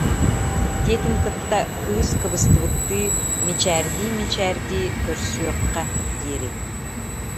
диэтин кытта, кыыс кыбыстыбыттыы, мичээрдии-мичээрдии: «Көрсүөххэ диэри»